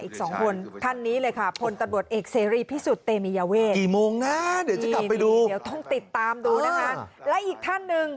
ขอบคุณครับสวัสดีครับ